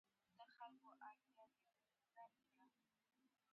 نسیمه صدیقی